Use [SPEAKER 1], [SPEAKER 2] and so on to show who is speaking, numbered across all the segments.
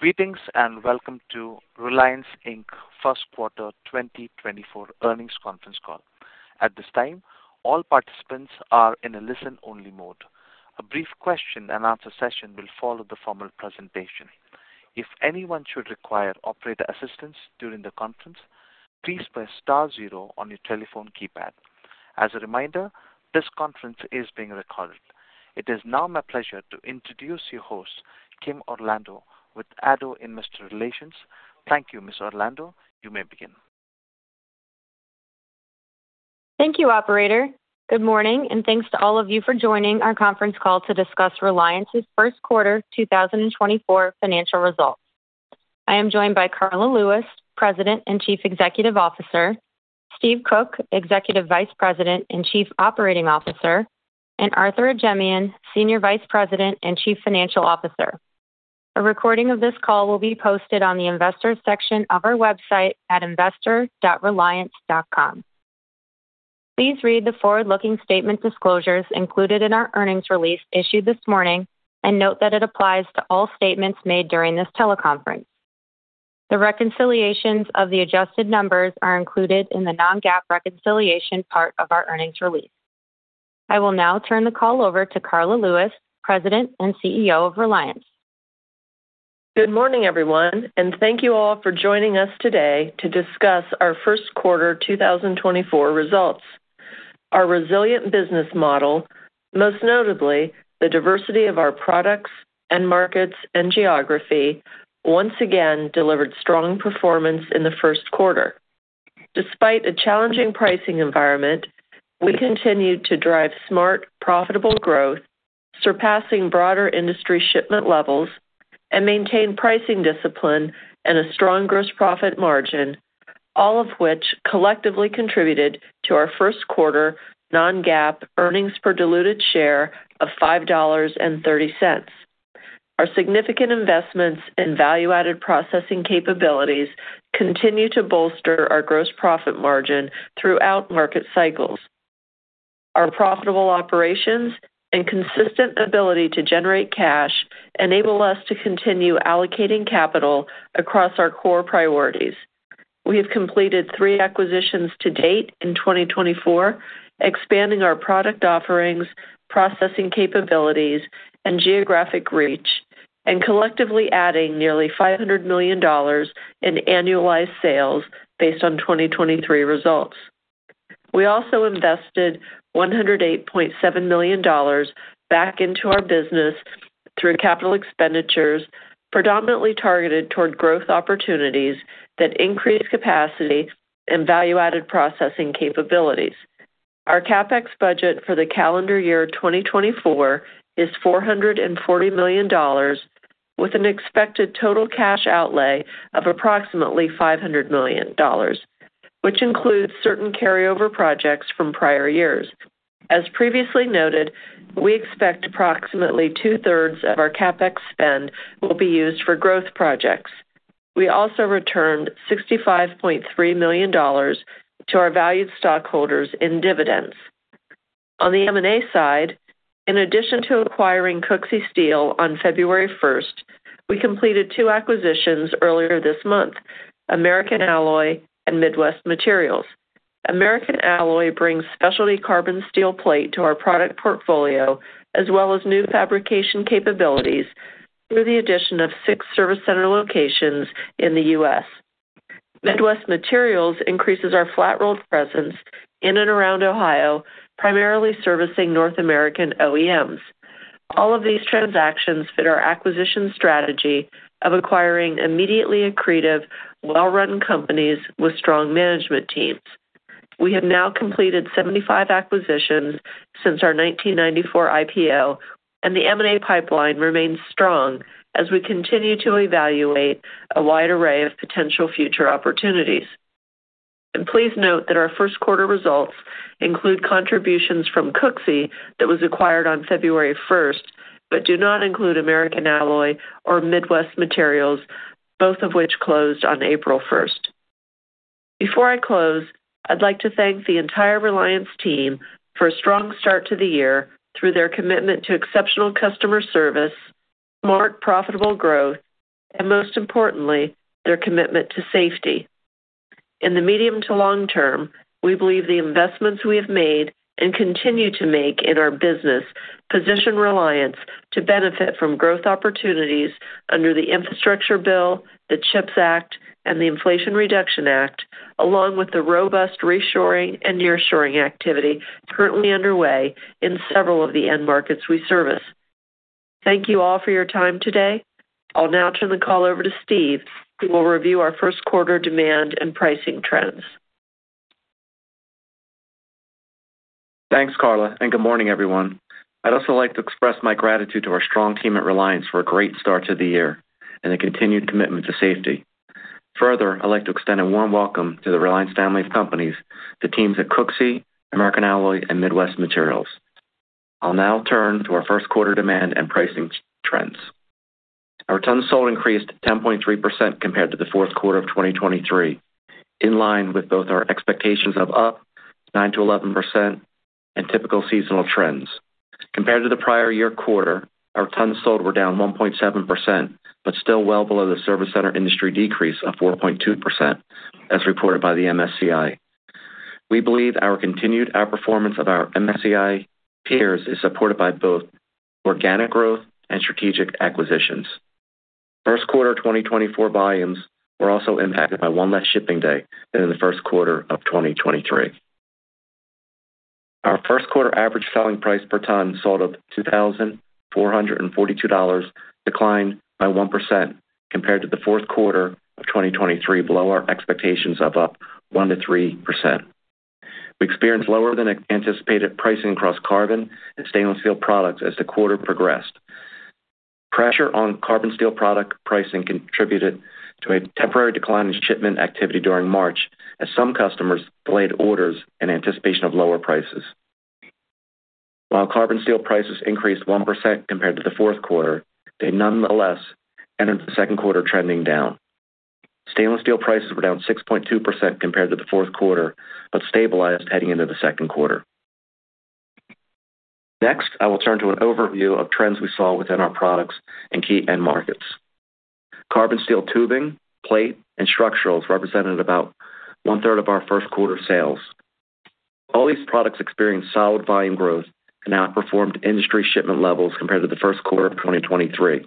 [SPEAKER 1] Greetings and welcome to Reliance, Inc. First Quarter 2024 Earnings Conference Call. At this time, all participants are in a listen-only mode. A brief question-and-answer session will follow the formal presentation. If anyone should require operator assistance during the conference, please press star zero on your telephone keypad. As a reminder, this conference is being recorded. It is now my pleasure to introduce your host, Kim Orlando, with Addo Investor Relations. Thank you, Ms. Orlando. You may begin.
[SPEAKER 2] Thank you, operator. Good morning, and thanks to all of you for joining our conference call to discuss Reliance's first quarter 2024 financial results. I am joined by Karla Lewis, President and Chief Executive Officer; Steve Koch, Executive Vice President and Chief Operating Officer; and Arthur Ajemyan, Senior Vice President and Chief Financial Officer. A recording of this call will be posted on the Investor section of our website at investor.reliance.com. Please read the forward-looking statement disclosures included in our earnings release issued this morning and note that it applies to all statements made during this teleconference. The reconciliations of the adjusted numbers are included in the non-GAAP reconciliation part of our earnings release. I will now turn the call over to Karla Lewis, President and CEO of Reliance.
[SPEAKER 3] Good morning, everyone, and thank you all for joining us today to discuss our first quarter 2024 results. Our resilient business model, most notably the diversity of our products and markets and geography, once again delivered strong performance in the first quarter. Despite a challenging pricing environment, we continued to drive smart, profitable growth, surpassing broader industry shipment levels, and maintain pricing discipline and a strong gross profit margin, all of which collectively contributed to our first quarter non-GAAP earnings per diluted share of $5.30. Our significant investments in value-added processing capabilities continue to bolster our gross profit margin throughout market cycles. Our profitable operations and consistent ability to generate cash enable us to continue allocating capital across our core priorities. We have completed three acquisitions to date in 2024, expanding our product offerings, processing capabilities, and geographic reach, and collectively adding nearly $500 million in annualized sales based on 2023 results. We also invested $108.7 million back into our business through capital expenditures predominantly targeted toward growth opportunities that increase capacity and value-added processing capabilities. Our CapEx budget for the calendar year 2024 is $440 million, with an expected total cash outlay of approximately $500 million, which includes certain carryover projects from prior years. As previously noted, we expect approximately two-thirds of our CapEx spend will be used for growth projects. We also returned $65.3 million to our valued stockholders in dividends. On the M&A side, in addition to acquiring Cooksey Steel on February 1st, we completed two acquisitions earlier this month: American Alloy and Midwest Materials. American Alloy brings specialty carbon steel plate to our product portfolio as well as new fabrication capabilities through the addition of six service center locations in the U.S. Midwest Materials increases our flat-rolled presence in and around Ohio, primarily servicing North American OEMs. All of these transactions fit our acquisition strategy of acquiring immediately accretive, well-run companies with strong management teams. We have now completed 75 acquisitions since our 1994 IPO, and the M&A pipeline remains strong as we continue to evaluate a wide array of potential future opportunities. Please note that our first quarter results include contributions from Cooksey that was acquired on February 1st but do not include American Alloy or Midwest Materials, both of which closed on April 1st. Before I close, I'd like to thank the entire Reliance team for a strong start to the year through their commitment to exceptional customer service, smart, profitable growth, and most importantly, their commitment to safety. In the medium to long term, we believe the investments we have made and continue to make in our business position Reliance to benefit from growth opportunities under the Infrastructure Bill, the CHIPS Act, and the Inflation Reduction Act, along with the robust reshoring and nearshoring activity currently underway in several of the end markets we service. Thank you all for your time today. I'll now turn the call over to Steve, who will review our first quarter demand and pricing trends.
[SPEAKER 4] Thanks, Karla, and good morning, everyone. I'd also like to express my gratitude to our strong team at Reliance for a great start to the year and a continued commitment to safety. Further, I'd like to extend a warm welcome to the Reliance family of companies, the teams at Cooksey, American Alloy, and Midwest Materials. I'll now turn to our first quarter demand and pricing trends. Our tons sold increased 10.3% compared to the fourth quarter of 2023, in line with both our expectations of up 9%-11% and typical seasonal trends. Compared to the prior year quarter, our tons sold were down 1.7% but still well below the service center industry decrease of 4.2%, as reported by the MSCI. We believe our continued outperformance of our MSCI peers is supported by both organic growth and strategic acquisitions. First quarter 2024 volumes were also impacted by one less shipping day than in the first quarter of 2023. Our first quarter average selling price per ton sold up $2,442, declined by 1% compared to the fourth quarter of 2023, below our expectations of up 1%-3%. We experienced lower than anticipated pricing across carbon and stainless steel products as the quarter progressed. Pressure on carbon steel product pricing contributed to a temporary decline in shipment activity during March as some customers delayed orders in anticipation of lower prices. While carbon steel prices increased 1% compared to the fourth quarter, they nonetheless entered the second quarter trending down. Stainless steel prices were down 6.2% compared to the fourth quarter but stabilized heading into the second quarter. Next, I will turn to an overview of trends we saw within our products in key end markets. Carbon steel tubing, plate, and structurals represented about one-third of our first quarter sales. All these products experienced solid volume growth and outperformed industry shipment levels compared to the first quarter of 2023.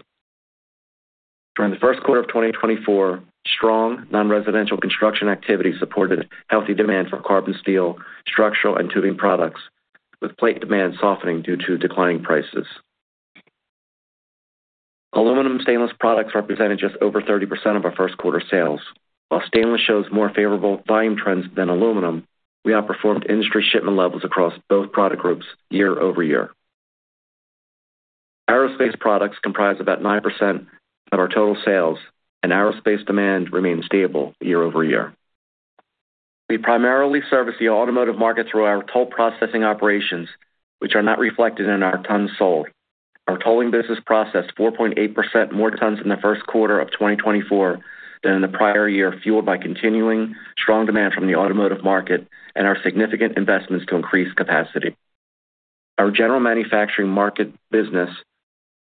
[SPEAKER 4] During the first quarter of 2024, strong non-residential construction activity supported healthy demand for carbon steel, structural, and tubing products, with plate demand softening due to declining prices. Aluminum stainless products represented just over 30% of our first quarter sales. While stainless shows more favorable volume trends than aluminum, we outperformed industry shipment levels across both product groups year-over-year. Aerospace products comprise about 9% of our total sales, and aerospace demand remained stable year-over-year. We primarily service the automotive market through our toll processing operations, which are not reflected in our tons sold. Our tolling business processed 4.8% more tons in the first quarter of 2024 than in the prior year, fueled by continuing strong demand from the automotive market and our significant investments to increase capacity. Our general manufacturing market business,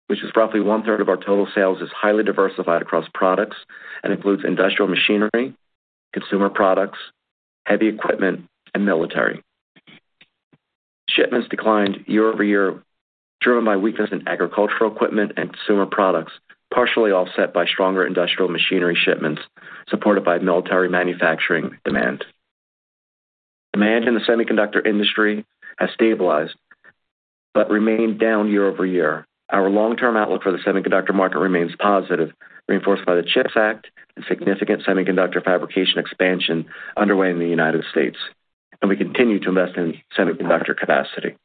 [SPEAKER 4] which is roughly one-third of our total sales, is highly diversified across products and includes industrial machinery, consumer products, heavy equipment, and military. Shipments declined year-over-year, driven by weakness in agricultural equipment and consumer products, partially offset by stronger industrial machinery shipments supported by military manufacturing demand. Demand in the semiconductor industry has stabilized but remained down year-over-year. Our long-term outlook for the semiconductor market remains positive, reinforced by the CHIPS Act and significant semiconductor fabrication expansion underway in the United States, and we continue to invest in semiconductor capacity.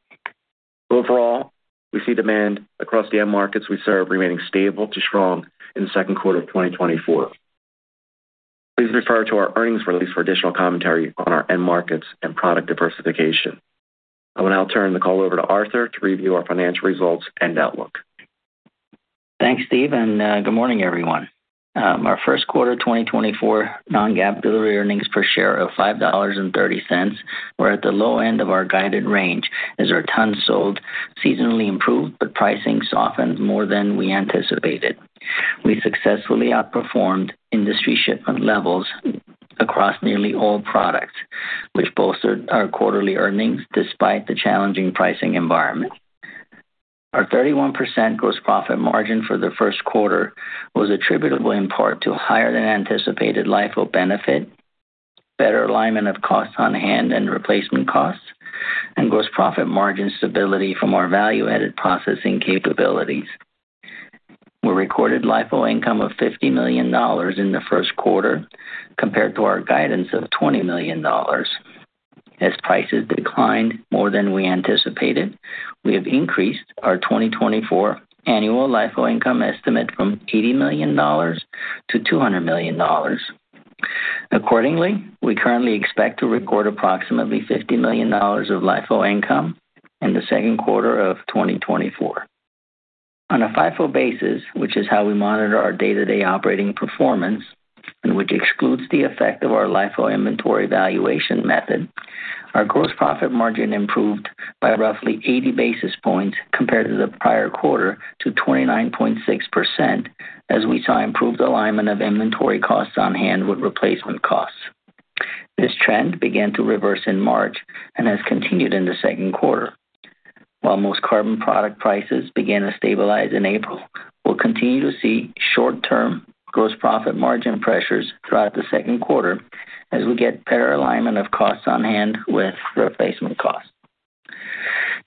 [SPEAKER 4] Overall, we see demand across the end markets we serve remaining stable to strong in the second quarter of 2024. Please refer to our earnings release for additional commentary on our end markets and product diversification. I will now turn the call over to Arthur to review our financial results and outlook.
[SPEAKER 5] Thanks, Steve, and good morning, everyone. Our first quarter 2024 non-GAAP diluted earnings per share of $5.30 were at the low end of our guided range as our tons sold seasonally improved but pricing softened more than we anticipated. We successfully outperformed industry shipment levels across nearly all products, which bolstered our quarterly earnings despite the challenging pricing environment. Our 31% gross profit margin for the first quarter was attributable in part to higher than anticipated LIFO benefit, better alignment of costs on hand and replacement costs, and gross profit margin stability from our value-added processing capabilities. We recorded LIFO income of $50 million in the first quarter compared to our guidance of $20 million. As prices declined more than we anticipated, we have increased our 2024 annual LIFO income estimate from $80 million-$200 million. Accordingly, we currently expect to record approximately $50 million of LIFO income in the second quarter of 2024. On a FIFO basis, which is how we monitor our day-to-day operating performance and which excludes the effect of our LIFO inventory valuation method, our gross profit margin improved by roughly 80 basis points compared to the prior quarter to 29.6% as we saw improved alignment of inventory costs on hand with replacement costs. This trend began to reverse in March and has continued in the second quarter. While most carbon product prices began to stabilize in April, we'll continue to see short-term gross profit margin pressures throughout the second quarter as we get better alignment of costs on hand with replacement costs.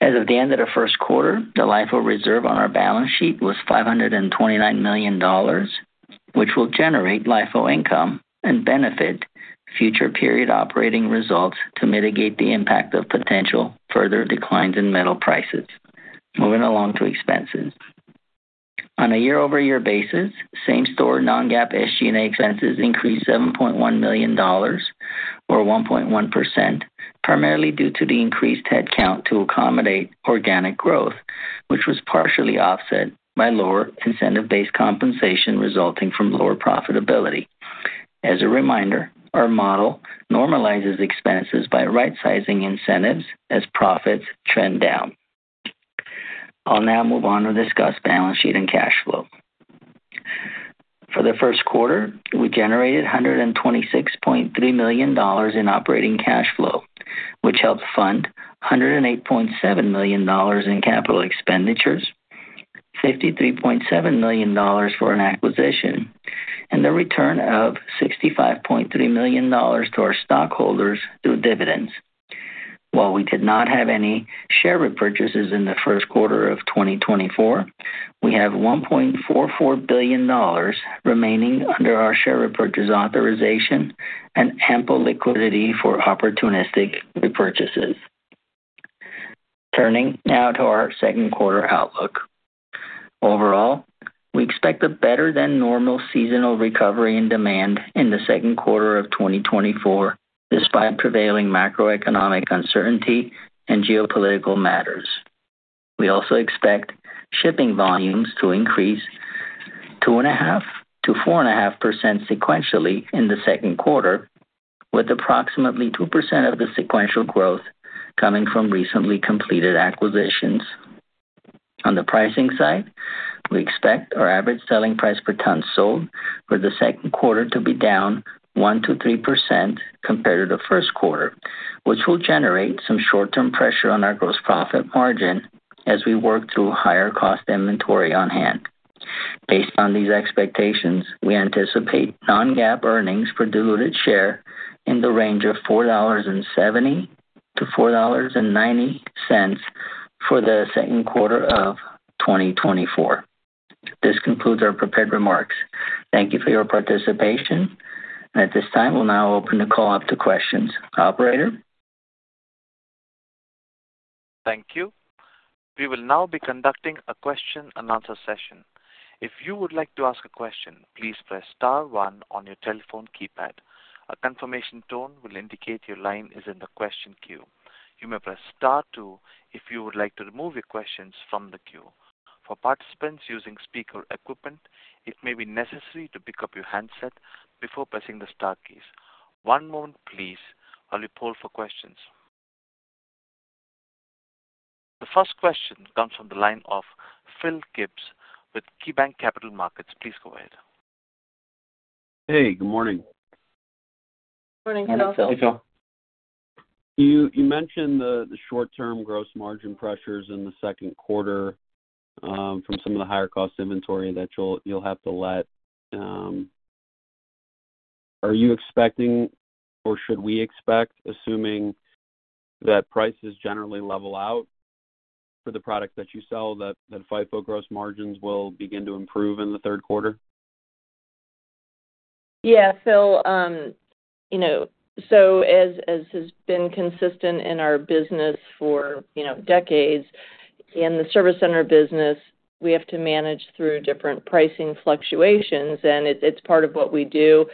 [SPEAKER 5] As of the end of the first quarter, the LIFO reserve on our balance sheet was $529 million, which will generate LIFO income and benefit future period operating results to mitigate the impact of potential further declines in metal prices. Moving along to expenses. On a year-over-year basis, same-store non-GAAP SG&A expenses increased $7.1 million or 1.1%, primarily due to the increased headcount to accommodate organic growth, which was partially offset by lower incentive-based compensation resulting from lower profitability. As a reminder, our model normalizes expenses by right-sizing incentives as profits trend down. I'll now move on to discuss balance sheet and cash flow. For the first quarter, we generated $126.3 million in operating cash flow, which helped fund $108.7 million in capital expenditures, $53.7 million for an acquisition, and the return of $65.3 million to our stockholders through dividends. While we did not have any share repurchases in the first quarter of 2024, we have $1.44 billion remaining under our share repurchase authorization and ample liquidity for opportunistic repurchases. Turning now to our second quarter outlook. Overall, we expect a better than normal seasonal recovery in demand in the second quarter of 2024 despite prevailing macroeconomic uncertainty and geopolitical matters. We also expect shipping volumes to increase 2.5%-4.5% sequentially in the second quarter, with approximately 2% of the sequential growth coming from recently completed acquisitions. On the pricing side, we expect our average selling price per ton sold for the second quarter to be down 1%-3% compared to the first quarter, which will generate some short-term pressure on our gross profit margin as we work through higher cost inventory on hand. Based on these expectations, we anticipate non-GAAP earnings per diluted share in the range of $4.70-$4.90 for the second quarter of 2024. This concludes our prepared remarks. Thank you for your participation. At this time, we'll now open the call up to questions. Operator?
[SPEAKER 1] Thank you. We will now be conducting a question-and-answer session. If you would like to ask a question, please press star one on your telephone keypad. A confirmation tone will indicate your line is in the question queue. You may press star two if you would like to remove your questions from the queue. For participants using speaker equipment, it may be necessary to pick up your handset before pressing the star keys. One moment, please. I'll be polling for questions. The first question comes from the line of Phil Gibbs with KeyBanc Capital Markets. Please go ahead.
[SPEAKER 6] Hey. Good morning.
[SPEAKER 3] Good morning, Phil.
[SPEAKER 5] Hey, Phil.
[SPEAKER 6] You mentioned the short-term gross margin pressures in the second quarter from some of the higher cost inventory that you'll have to eat. Are you expecting or should we expect, assuming that prices generally level out for the products that you sell, that FIFO gross margins will begin to improve in the third quarter?
[SPEAKER 3] Yeah, Phil. So as has been consistent in our business for decades, in the service center business, we have to manage through different pricing fluctuations, and it's part of what we do.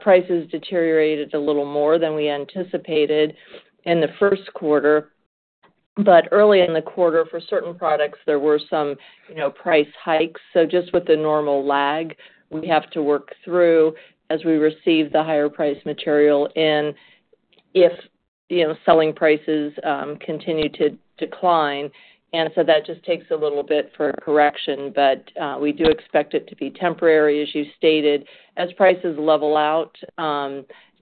[SPEAKER 3] Prices deteriorated a little more than we anticipated in the first quarter. But early in the quarter, for certain products, there were some price hikes. So just with the normal lag, we have to work through as we receive the higher-priced material in if selling prices continue to decline. And so that just takes a little bit for a correction, but we do expect it to be temporary, as you stated. As prices level out,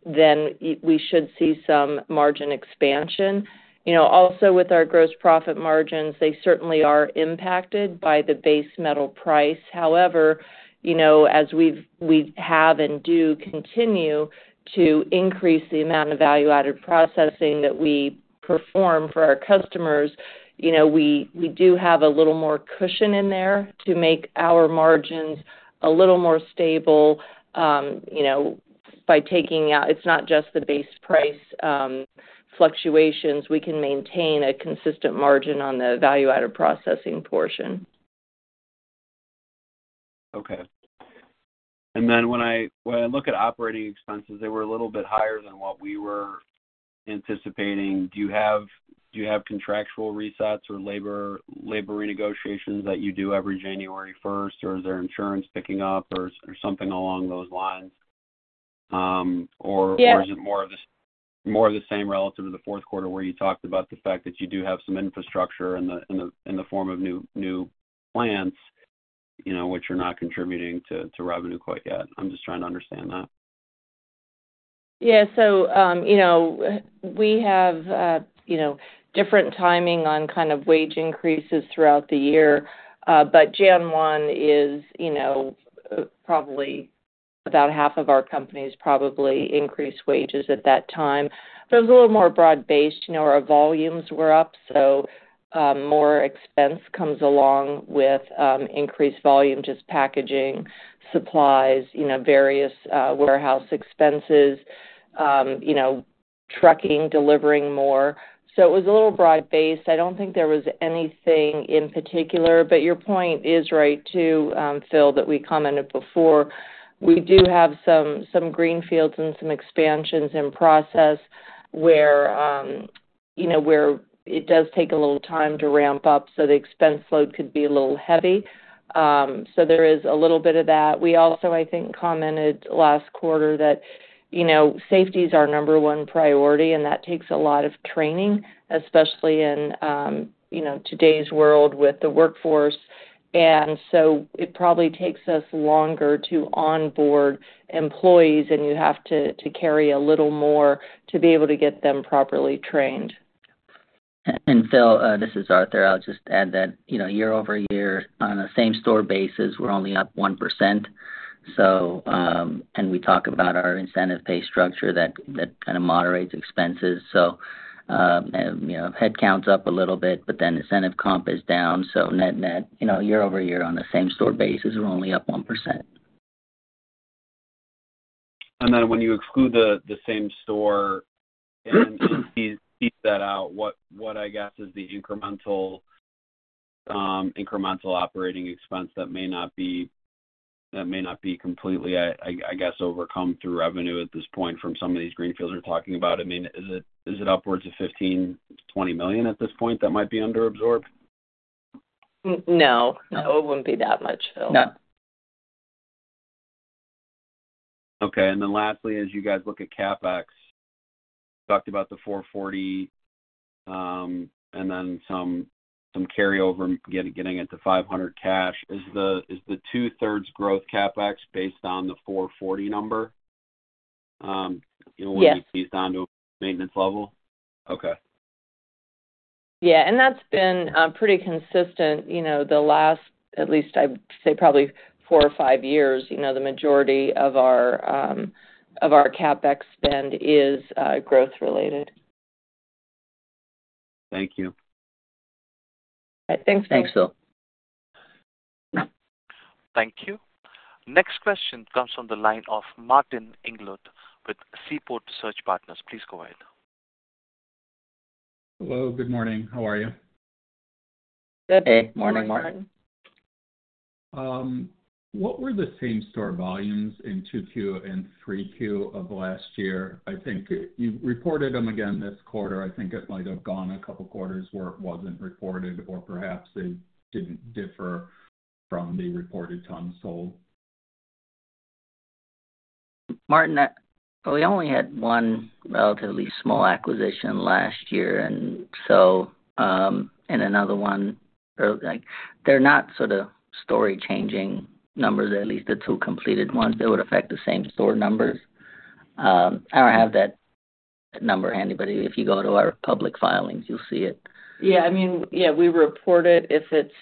[SPEAKER 3] then we should see some margin expansion. Also, with our gross profit margins, they certainly are impacted by the base metal price. However, as we have and do continue to increase the amount of value-added processing that we perform for our customers, we do have a little more cushion in there to make our margins a little more stable by taking out. It's not just the base price fluctuations. We can maintain a consistent margin on the value-added processing portion.
[SPEAKER 6] Okay. And then when I look at operating expenses, they were a little bit higher than what we were anticipating. Do you have contractual resets or labor renegotiations that you do every January 1st, or is there insurance picking up or something along those lines? Or is it more of the same relative to the fourth quarter where you talked about the fact that you do have some infrastructure in the form of new plants, which are not contributing to revenue quite yet? I'm just trying to understand that.
[SPEAKER 3] Yeah. So we have different timing on kind of wage increases throughout the year. But January 1 is probably about half of our companies probably increase wages at that time. But it was a little more broad-based. Our volumes were up, so more expense comes along with increased volume, just packaging, supplies, various warehouse expenses, trucking, delivering more. So it was a little broad-based. I don't think there was anything in particular. But your point is right too, Phil, that we commented before. We do have some greenfields and some expansions in process where it does take a little time to ramp up, so the expense load could be a little heavy. So there is a little bit of that. We also, I think, commented last quarter that safety is our number one priority, and that takes a lot of training, especially in today's world with the workforce. It probably takes us longer to onboard employees, and you have to carry a little more to be able to get them properly trained.
[SPEAKER 5] Phil, this is Arthur. I'll just add that year-over-year, on a same-store basis, we're only up 1%. And we talk about our incentive pay structure that kind of moderates expenses. So headcount's up a little bit, but then incentive comp is down. So net-net, year-over-year, on a same-store basis, we're only up 1%.
[SPEAKER 6] And then when you exclude the same store and piece that out, what I guess is the incremental operating expense that may not be completely, I guess, overcome through revenue at this point from some of these greenfields we're talking about? I mean, is it upwards of $15-$20 million at this point that might be underabsorbed?
[SPEAKER 3] No. It wouldn't be that much, Phil.
[SPEAKER 6] Okay. And then lastly, as you guys look at CapEx, talked about the $440 and then some carryover, getting it to $500 cash. Is the two-thirds growth CapEx based on the $440 number when it's phased onto a maintenance level?
[SPEAKER 3] Yeah.
[SPEAKER 6] Okay.
[SPEAKER 3] Yeah. And that's been pretty consistent the last, at least I'd say, probably four or five years. The majority of our CapEx spend is growth-related.
[SPEAKER 6] Thank you.
[SPEAKER 3] All right. Thanks, Phil.
[SPEAKER 5] Thanks, Phil.
[SPEAKER 1] Thank you. Next question comes from the line of Martin Englert with Seaport Research Partners. Please go ahead.
[SPEAKER 7] Hello. Good morning. How are you?
[SPEAKER 5] Good morning, Martin.
[SPEAKER 7] What were the same-store volumes in 2Q and 3Q of last year? I think you reported them again this quarter. I think it might have gone a couple of quarters where it wasn't reported, or perhaps they didn't differ from the reported tons sold.
[SPEAKER 5] Martin, we only had one relatively small acquisition last year, and so in another one they're not sort of story-changing numbers, at least the two completed ones. They would affect the same-store numbers. I don't have that number handy, but if you go to our public filings, you'll see it.
[SPEAKER 3] Yeah. I mean, yeah, we report it if it's,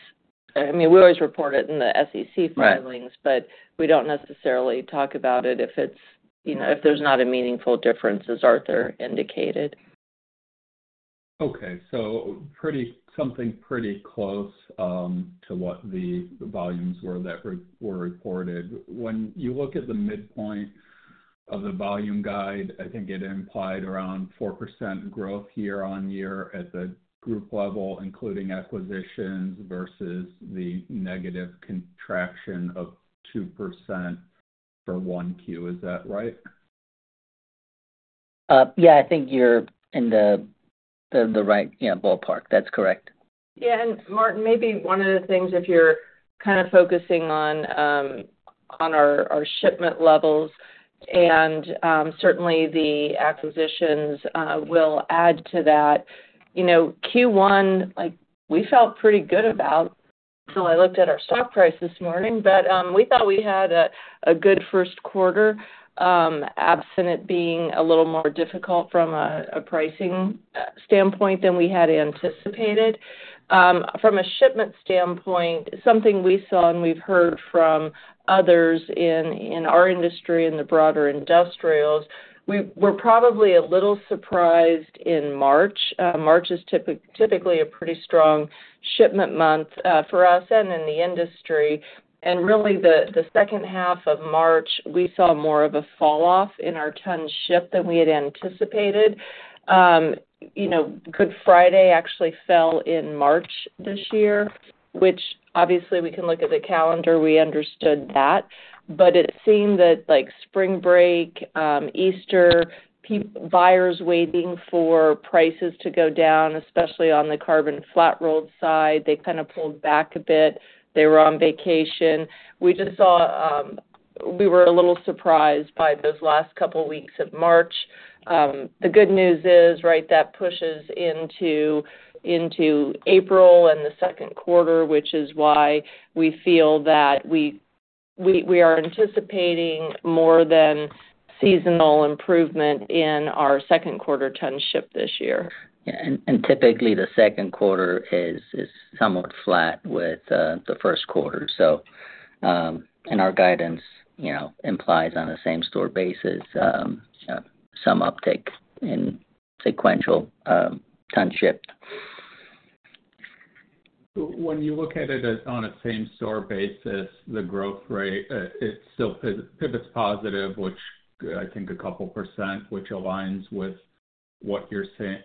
[SPEAKER 3] I mean, we always report it in the SEC filings, but we don't necessarily talk about it if there's not a meaningful difference, as Arthur indicated.
[SPEAKER 7] Okay. So something pretty close to what the volumes were that were reported. When you look at the midpoint of the volume guide, I think it implied around 4% growth year-on-year at the group level, including acquisitions, versus the negative contraction of 2% for 1Q. Is that right?
[SPEAKER 5] Yeah. I think you're in the right ballpark. That's correct.
[SPEAKER 3] Yeah. And Martin, maybe one of the things, if you're kind of focusing on our shipment levels and certainly the acquisitions, we'll add to that. Q1, we felt pretty good about until I looked at our stock price this morning, but we thought we had a good first quarter, absent it being a little more difficult from a pricing standpoint than we had anticipated. From a shipment standpoint, something we saw and we've heard from others in our industry and the broader industrials, we were probably a little surprised in March. March is typically a pretty strong shipment month for us and in the industry. And really, the second half of March, we saw more of a falloff in our tonnage than we had anticipated. Good Friday actually fell in March this year, which obviously, we can look at the calendar. We understood that. But it seemed that Spring Break, Easter, buyers waiting for prices to go down, especially on the carbon flat-rolled side, they kind of pulled back a bit. They were on vacation. We just saw, we were a little surprised by those last couple of weeks of March. The good news is, right, that pushes into April and the second quarter, which is why we feel that we are anticipating more than seasonal improvement in our second-quarter ton shipments this year.
[SPEAKER 5] Yeah. Typically, the second quarter is somewhat flat with the first quarter, so. Our guidance implies, on a same-store basis, some uptake in sequential tonnage.
[SPEAKER 7] When you look at it on a same-store basis, the growth rate, it still pivots positive, I think, 2%, which aligns with what you're seeing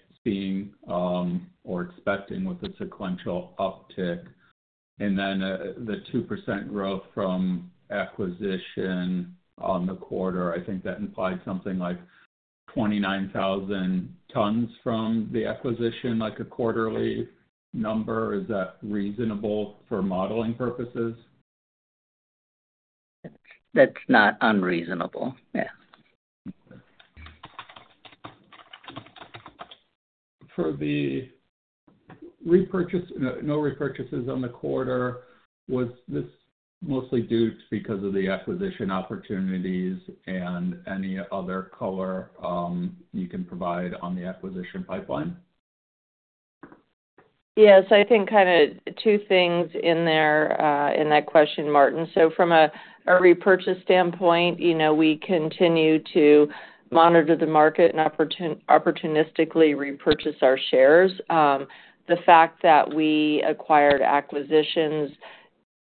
[SPEAKER 7] or expecting with the sequential uptick. And then the 2% growth from acquisition on the quarter, I think that implied something like 29,000 tons from the acquisition, a quarterly number. Is that reasonable for modeling purposes?
[SPEAKER 5] That's not unreasonable. Yeah.
[SPEAKER 7] Okay. For the no repurchases on the quarter, was this mostly due because of the acquisition opportunities and any other color you can provide on the acquisition pipeline?
[SPEAKER 3] Yeah. So I think kind of two things in that question, Martin. So from a repurchase standpoint, we continue to monitor the market and opportunistically repurchase our shares. The fact that we acquired acquisitions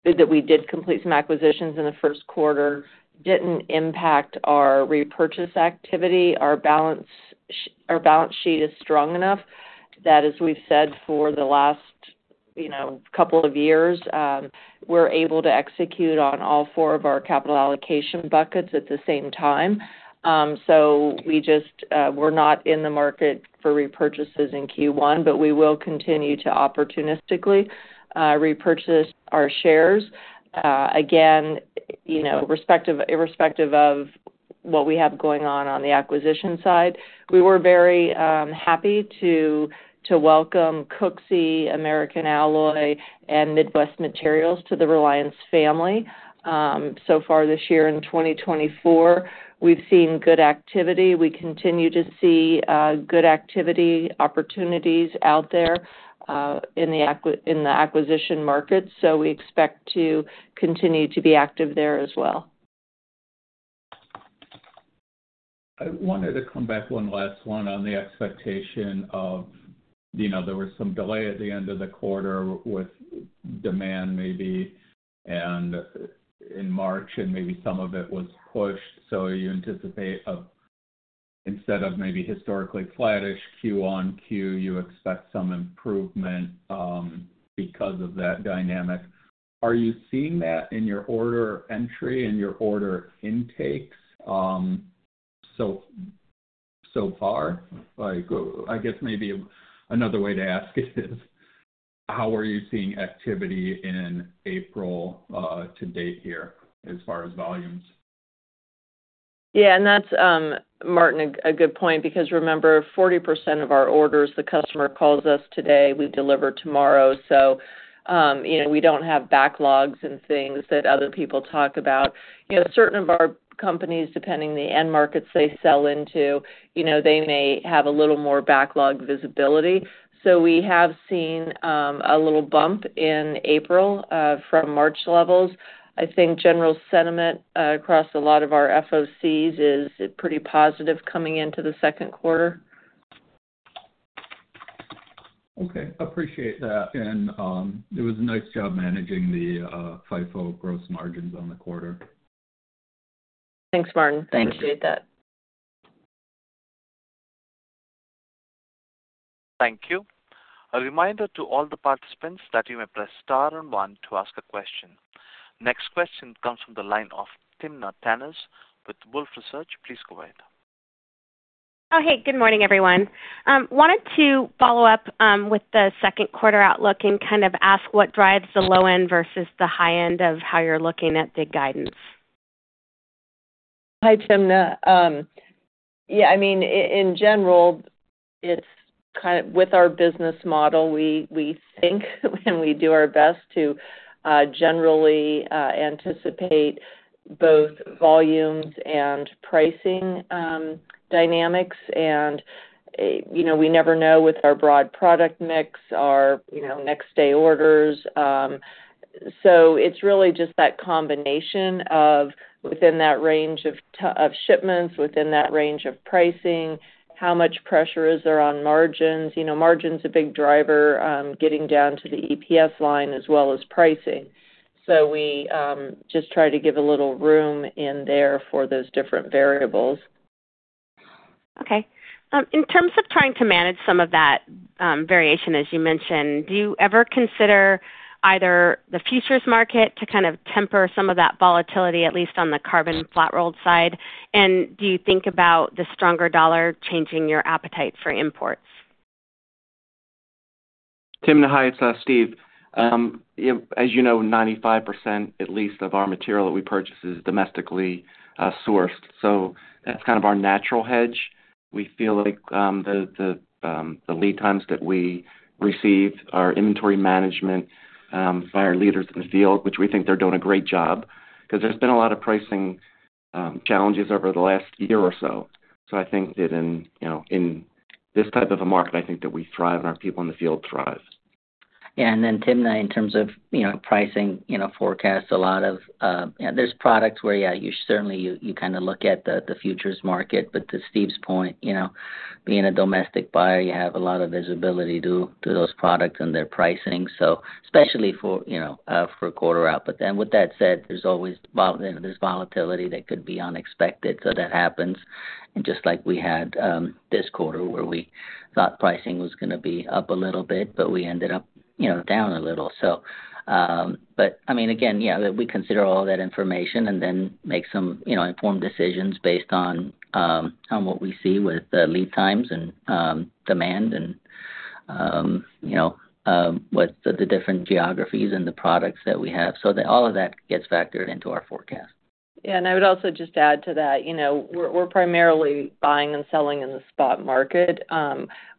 [SPEAKER 3] that we did complete some acquisitions in the first quarter didn't impact our repurchase activity. Our balance sheet is strong enough that, as we've said for the last couple of years, we're able to execute on all four of our capital allocation buckets at the same time. So we're not in the market for repurchases in Q1, but we will continue to opportunistically repurchase our shares. Again, irrespective of what we have going on on the acquisition side, we were very happy to welcome Cooksey, American Alloy, and Midwest Materials to the Reliance family. So far this year in 2024, we've seen good activity. We continue to see good activity opportunities out there in the acquisition markets. We expect to continue to be active there as well.
[SPEAKER 7] I wanted to come back one last one on the expectation of there was some delay at the end of the quarter with demand maybe, and in March, and maybe some of it was pushed. So you anticipate, instead of maybe historically flattish Q on Q, you expect some improvement because of that dynamic. Are you seeing that in your order entry, in your order intakes so far? I guess maybe another way to ask it is, how are you seeing activity in April to date here as far as volumes?
[SPEAKER 3] Yeah. That's, Martin, a good point because remember, 40% of our orders, the customer calls us today, we deliver tomorrow. So we don't have backlogs and things that other people talk about. Certain of our companies, depending on the end markets they sell into, they may have a little more backlog visibility. So we have seen a little bump in April from March levels. I think general sentiment across a lot of our FOCs is pretty positive coming into the second quarter.
[SPEAKER 7] Okay. Appreciate that. It was a nice job managing the FIFO gross margins on the quarter.
[SPEAKER 3] Thanks, Martin. I appreciate that.
[SPEAKER 5] Thanks.
[SPEAKER 1] Thank you. A reminder to all the participants that you may press star and one to ask a question. Next question comes from the line of Timna Tanners with Wolfe Research. Please go ahead.
[SPEAKER 8] Oh, hey. Good morning, everyone. Wanted to follow up with the second quarter outlook and kind of ask what drives the low end versus the high end of how you're looking at big guidance?
[SPEAKER 3] Hi, Timna. Yeah. I mean, in general, it's kind of with our business model, we think, and we do our best to generally anticipate both volumes and pricing dynamics. And we never know with our broad product mix, our next-day orders. So it's really just that combination of within that range of shipments, within that range of pricing, how much pressure is there on margins. Margin's a big driver getting down to the EPS line as well as pricing. So we just try to give a little room in there for those different variables.
[SPEAKER 8] Okay. In terms of trying to manage some of that variation, as you mentioned, do you ever consider either the futures market to kind of temper some of that volatility, at least on the carbon flat-rolled side? Do you think about the stronger dollar changing your appetite for imports?
[SPEAKER 5] As you know, at least 95% of our material that we purchase is domestically sourced. So that's kind of our natural hedge. We feel like the lead times that we receive, our inventory management by our leaders in the field, which we think they're doing a great job because there's been a lot of pricing challenges over the last year or so. So I think that in this type of a market, I think that we thrive and our people in the field thrive. Yeah. And then Timna, in terms of pricing forecasts, a lot of there's products where, yeah, certainly, you kind of look at the futures market. But to Steve's point, being a domestic buyer, you have a lot of visibility to those products and their pricing, especially for a quarter out. But then with that said, there's always volatility that could be unexpected. So that happens. And just like we had this quarter where we thought pricing was going to be up a little bit, but we ended up down a little. But I mean, again, yeah, we consider all that information and then make some informed decisions based on what we see with lead times and demand and with the different geographies and the products that we have. So all of that gets factored into our forecast.
[SPEAKER 3] Yeah. I would also just add to that, we're primarily buying and selling in the spot market.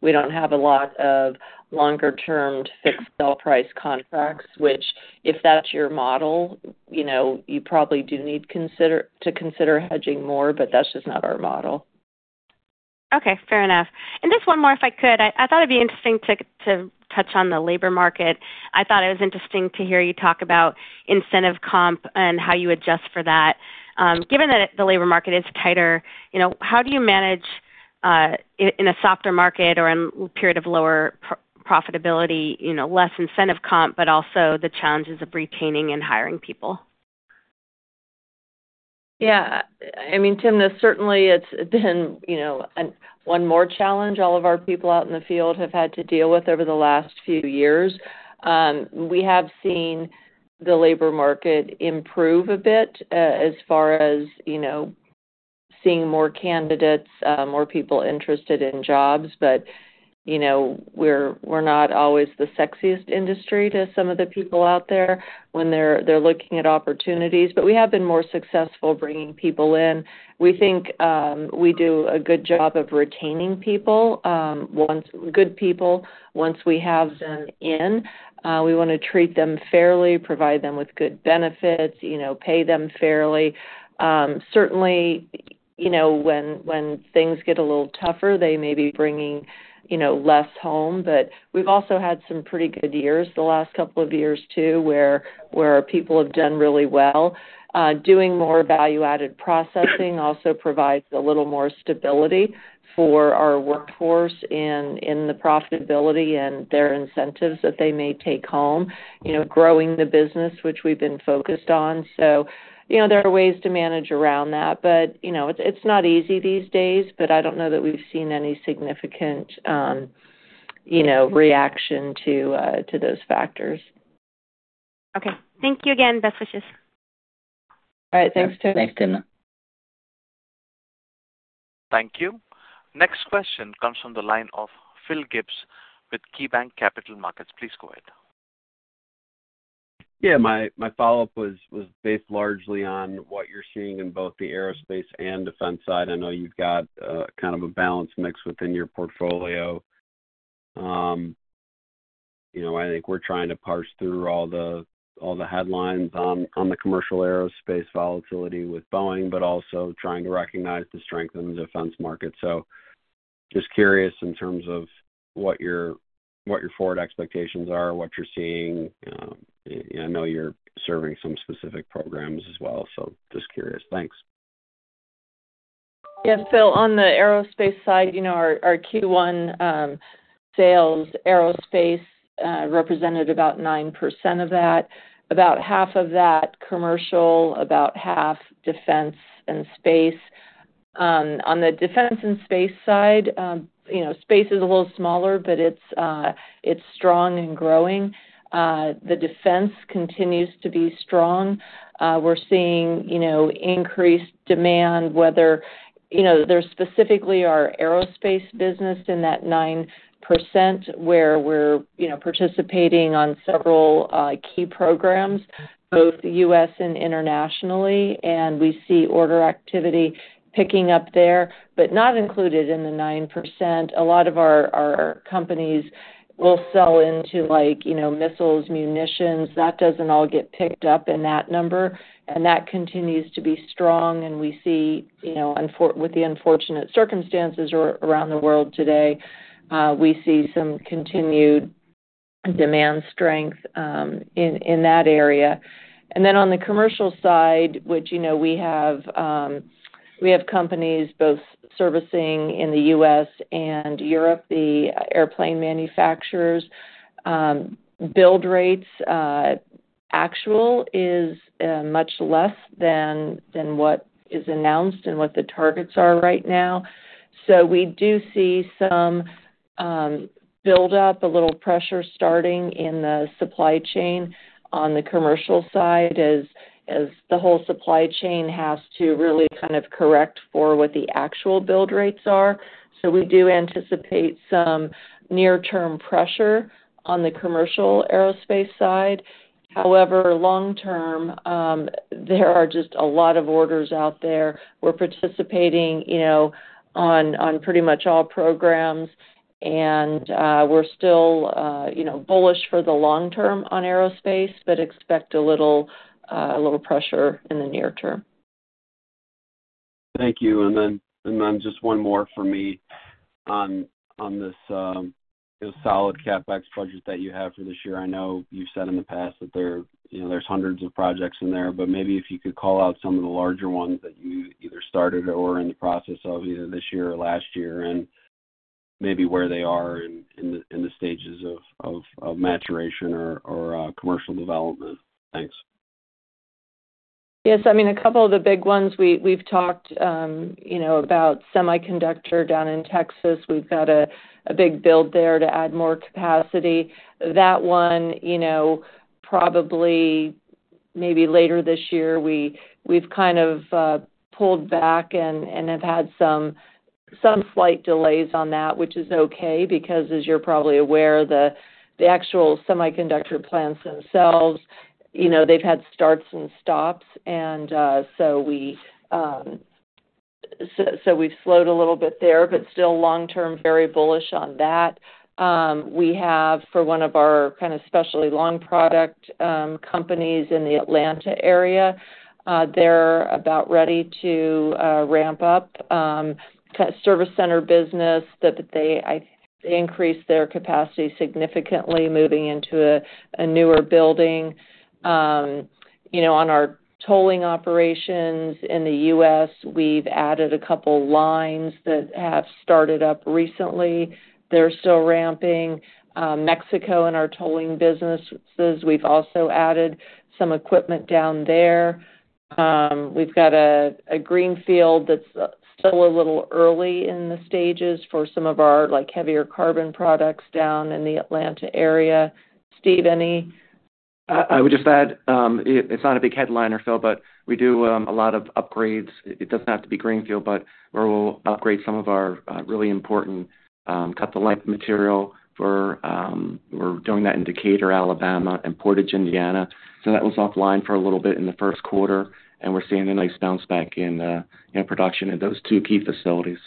[SPEAKER 3] We don't have a lot of longer-term fixed sell price contracts, which if that's your model, you probably do need to consider hedging more, but that's just not our model.
[SPEAKER 8] Okay. Fair enough. And just one more, if I could. I thought it'd be interesting to touch on the labor market. I thought it was interesting to hear you talk about incentive comp and how you adjust for that. Given that the labor market is tighter, how do you manage in a softer market or in a period of lower profitability, less incentive comp, but also the challenges of retaining and hiring people?
[SPEAKER 3] Yeah. I mean, Timna, certainly, it's been one more challenge all of our people out in the field have had to deal with over the last few years. We have seen the labor market improve a bit as far as seeing more candidates, more people interested in jobs. But we're not always the sexiest industry to some of the people out there when they're looking at opportunities. But we have been more successful bringing people in. We think we do a good job of retaining good people once we have them in. We want to treat them fairly, provide them with good benefits, pay them fairly. Certainly, when things get a little tougher, they may be bringing less home. But we've also had some pretty good years the last couple of years too where people have done really well. Doing more value-added processing also provides a little more stability for our workforce in the profitability and their incentives that they may take home, growing the business, which we've been focused on. So there are ways to manage around that. But it's not easy these days, but I don't know that we've seen any significant reaction to those factors.
[SPEAKER 8] Okay. Thank you again. Best wishes.
[SPEAKER 3] All right. Thanks, Timna.
[SPEAKER 5] Thanks, Timna.
[SPEAKER 1] Thank you. Next question comes from the line of Phil Gibbs with KeyBanc Capital Markets. Please go ahead.
[SPEAKER 6] Yeah. My follow-up was based largely on what you're seeing in both the aerospace and defense side. I know you've got kind of a balanced mix within your portfolio. I think we're trying to parse through all the headlines on the commercial aerospace volatility with Boeing, but also trying to recognize the strength in the defense market. So just curious in terms of what your forward expectations are, what you're seeing. I know you're serving some specific programs as well, so just curious. Thanks.
[SPEAKER 3] Yeah. Phil, on the aerospace side, our Q1 sales, aerospace represented about 9% of that, about half of that commercial, about half defense and space. On the defense and space side, space is a little smaller, but it's strong and growing. The defense continues to be strong. We're seeing increased demand, whether there specifically are aerospace business in that 9% where we're participating on several key programs, both U.S. and internationally. And we see order activity picking up there, but not included in the 9%. A lot of our companies will sell into missiles, munitions. That doesn't all get picked up in that number. And that continues to be strong. And with the unfortunate circumstances around the world today, we see some continued demand strength in that area. On the commercial side, which we have companies both servicing in the U.S. and Europe, the airplane manufacturers, build rates actually is much less than what is announced and what the targets are right now. So we do see some buildup, a little pressure starting in the supply chain on the commercial side as the whole supply chain has to really kind of correct for what the actual build rates are. So we do anticipate some near-term pressure on the commercial aerospace side. However, long-term, there are just a lot of orders out there. We're participating on pretty much all programs. And we're still bullish for the long term on aerospace, but expect a little pressure in the near term.
[SPEAKER 6] Thank you. And then just one more for me on this solid CapEx budget that you have for this year. I know you've said in the past that there's hundreds of projects in there, but maybe if you could call out some of the larger ones that you either started or are in the process of either this year or last year and maybe where they are in the stages of maturation or commercial development? Thanks.
[SPEAKER 3] Yes. I mean, a couple of the big ones, we've talked about semiconductor down in Texas. We've got a big build there to add more capacity. That one, probably maybe later this year, we've kind of pulled back and have had some slight delays on that, which is okay because, as you're probably aware, the actual semiconductor plants themselves, they've had starts and stops. And so we've slowed a little bit there, but still long-term very bullish on that. We have, for one of our kind of especially long-product companies in the Atlanta area, they're about ready to ramp up service center business that they increased their capacity significantly moving into a newer building. On our tolling operations in the U.S., we've added a couple lines that have started up recently. They're still ramping. In Mexico, in our tolling businesses, we've also added some equipment down there. We've got a greenfield that's still a little early in the stages for some of our heavier carbon products down in the Atlanta area. Steve, any?
[SPEAKER 5] I would just add, it's not a big headliner, Phil, but we do a lot of upgrades. It doesn't have to be greenfield, but where we'll upgrade some of our really important cut-to-length material. We're doing that in Decatur, Alabama, and Portage, Indiana. So that was offline for a little bit in the first quarter. And we're seeing a nice bounce back in production in those two key facilities.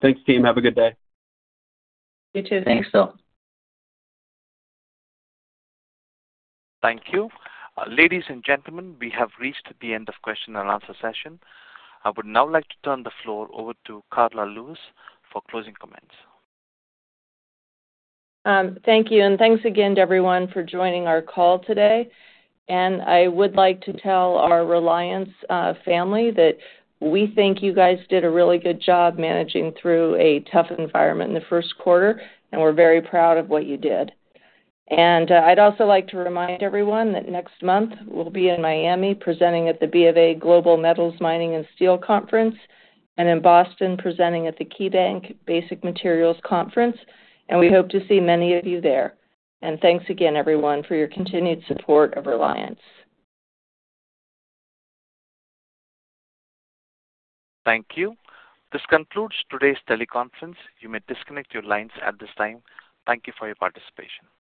[SPEAKER 6] Thanks, team. Have a good day.
[SPEAKER 3] You too.
[SPEAKER 5] Thanks, Phil.
[SPEAKER 1] Thank you. Ladies and gentlemen, we have reached the end of question-and-answer session. I would now like to turn the floor over to Karla Lewis for closing comments.
[SPEAKER 3] Thank you. Thanks again to everyone for joining our call today. I would like to tell our Reliance family that we think you guys did a really good job managing through a tough environment in the first quarter, and we're very proud of what you did. I'd also like to remind everyone that next month we'll be in Miami presenting at the Bof A Global Metals Mining and Steel Conference and in Boston presenting at the KeyBanc Basic Materials Conference. We hope to see many of you there. Thanks again, everyone, for your continued support of Reliance.
[SPEAKER 1] Thank you. This concludes today's teleconference. You may disconnect your lines at this time. Thank you for your participation.